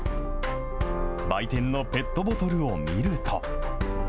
売店のペットボトルを見ると。